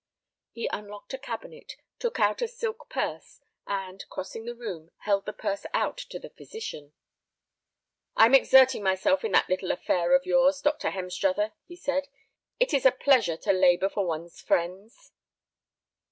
He unlocked a cabinet, took out a silk purse, and, crossing the room, held the purse out to the physician. "I am exerting myself in that little affair of yours, Dr. Hemstruther," he said. "It is a pleasure to labor for one's friends."